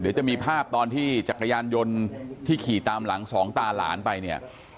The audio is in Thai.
เดี๋ยวจะมีภาพตอนที่จักรยานยนต์ที่ขี่ตามหลังสองตาหลานไปเนี่ย